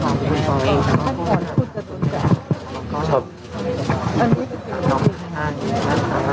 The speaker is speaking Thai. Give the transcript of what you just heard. ขอบคุณครับ